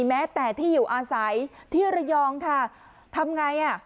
แม้แต่ที่อยู่อาศัยที่ระยองค่ะทำไงอ่ะ